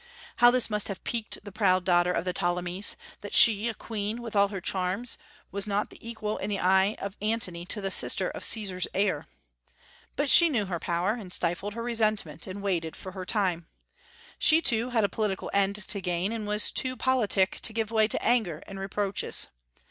How this must have piqued the proud daughter of the Ptolemies, that she, a queen, with all her charms, was not the equal in the eyes of Antony to the sister of Caesar's heir! But she knew her power, and stifled her resentment, and waited for her time. She, too, had a political end to gain, and was too politic to give way to anger and reproaches.